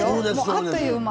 あっという間。